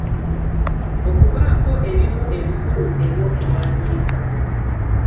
Okubaako ebimu ebikulu eby'okuwandiika.